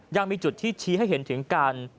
ยังมีจุดที่ชี้ให้เห็นถึงการ